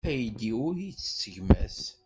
Aydi ur ittett gma-s.